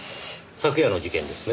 昨夜の事件ですね？